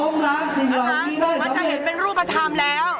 มันจะเห็นเป็นรูปธรรมแล้ว